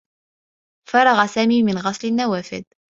فرغ سامي من غسل النّوافذ.